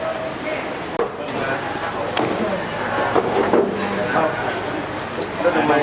แล้วจะไป